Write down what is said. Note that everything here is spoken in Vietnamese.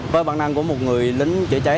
với bản năng của một người lính chữa cháy